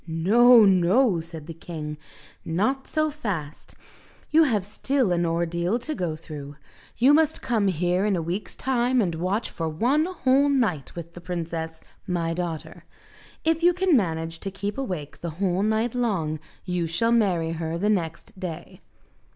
"No, no," said the king, "not so fast. You have still an ordeal to go through. You must come here in a week's time and watch for one whole night with the princess, my daughter. If you can manage to keep awake the whole night long you shall marry her next day."